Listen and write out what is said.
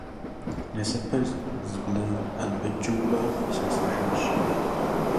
Насыпыр зблэӀэбыкӀыурэ сесэжащ.